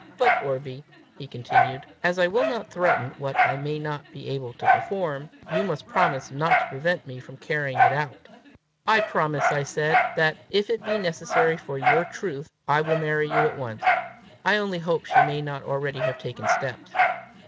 But, Orbie," he continued, "as I will not threaten what I may not be able to perform, you must promise not to prevent me from carrying it out." "I promise," I said, "that, if it be necessary for your truth, I will marry you at once. I only hope she may not already have taken steps!"